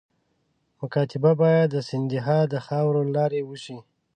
مکاتبه باید د سیندهیا د خاوري له لارې وشي.